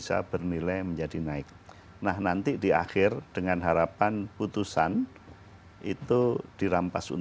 akan menjadi prestasi dari institusi